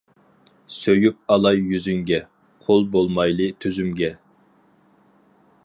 سۆيۈپ ئالاي يۈزۈڭگە، قۇل بولمايلى تۈزۈمگە.